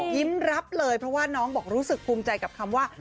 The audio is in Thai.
รับเลยเพราะว่าน้องบอกรู้สึกภูมิใจกับคำว่า